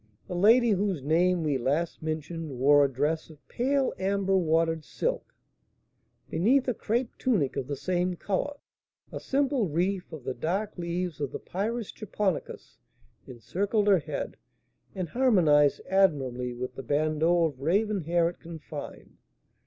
The lady whose name we last mentioned wore a dress of pale amber watered silk, beneath a crape tunic of the same colour. A simple wreath of the dark leaves of the Pyrus Japonicus encircled her head, and harmonised admirably with the bandeaux of raven hair it confined.